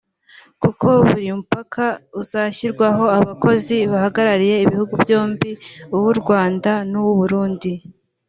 Kuko buri mupaka uzashyirwaho abakozi bahagarariye ibihugu byombi (uw’u Rwanda n’uw’u Burundi)